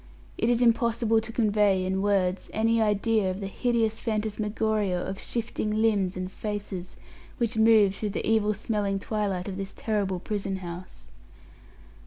It is impossible to convey, in words, any idea of the hideous phantasmagoria of shifting limbs and faces which moved through the evil smelling twilight of this terrible prison house.